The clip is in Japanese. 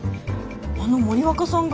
あの森若さんが？